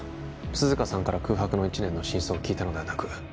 涼香さんから空白の一年の真相を聞いたのではなく